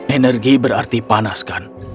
energi berarti panaskan